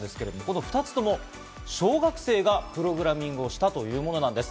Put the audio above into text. ２つとも小学生がプログラミングをしたというんです。